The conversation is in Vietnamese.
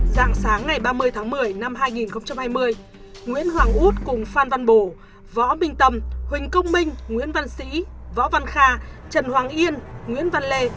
giảng sáng ngày ba mươi tháng một mươi năm hai nghìn hai mươi nguyễn hoàng út cùng phan văn bồ võ minh tâm huỳnh công minh nguyễn văn sĩ võ văn kha trần hoàng yên nguyễn văn lê